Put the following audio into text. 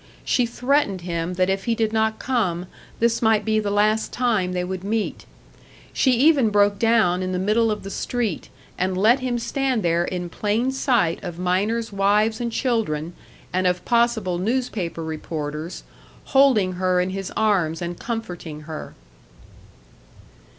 She threatened him that if he did not come, this might be the last time they would meet. She even broke down in the middle of the street, and let him stand there in plain sight of miners' wives and children, and of possible newspaper reporters, holding her in his arms and comforting her.